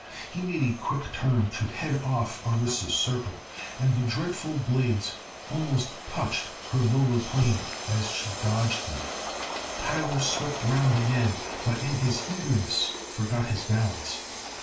He made a quick turn to head off Orissa's circle and the dreadful blades almost touched her lower plane as she dodged them. Tyler swept round again, but in his eagerness forgot his balance.